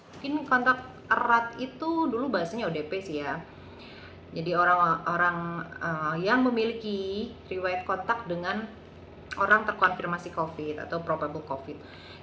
mungkin kontak erat itu dulu bahasanya odp sih ya jadi orang orang yang memiliki riwayat kontak dengan orang terkonfirmasi covid atau probable covid